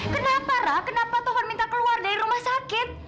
kenapa ra kenapa taufan minta keluar dari rumah sakit